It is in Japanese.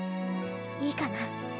いいかな？